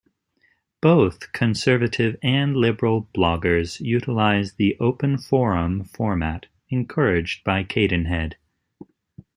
Both conservative and liberal bloggers utilize the open forum format, encouraged by Cadenhead.